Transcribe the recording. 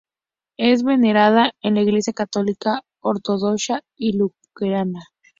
Es venerada en la Iglesia católica, ortodoxa y luterana.